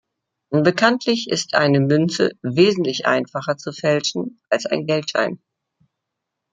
Bekanntlich ist eine Münze wesentlich einfacher zu fälschen als ein Geldschein.